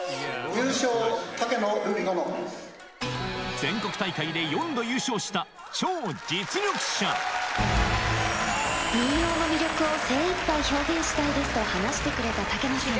全国大会で４度優勝した超実力者「民謡の魅力を精いっぱい表現したいです」と話してくれた竹野さん。